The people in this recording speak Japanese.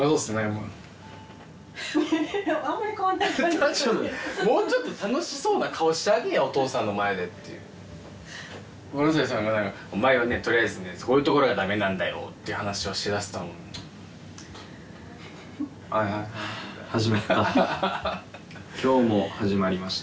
もうあんまり変わんないようなもうちょっと楽しそうな顔してあげえやお父さんの前で萬斎さんが「お前はねとりあえずねそういうところがダメなんだよ」っていう話をしだすと「はいはいはい」みたいな始まった今日も始まりました